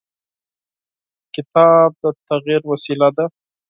کتاب د تغیر وسیله ده.